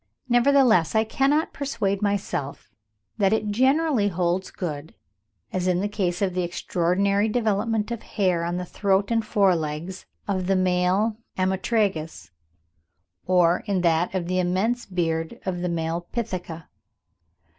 Nevertheless I cannot persuade myself that it generally holds good, as in the case of the extraordinary development of hair on the throat and fore legs of the male Ammotragus, or in that of the immense beard of the male Pithecia.